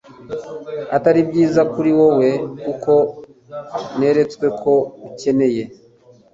atari byiza kuri wowe, kuko neretswe ko ukeneye